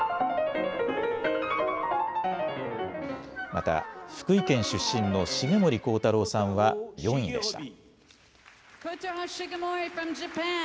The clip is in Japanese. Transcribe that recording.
また福井県出身の重森光太郎さんは４位でした。